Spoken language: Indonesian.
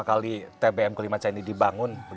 memiliki nilai yang lebih dari lima miliar rupiah